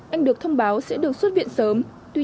anh được thông báo sẽ được xuất viện sớm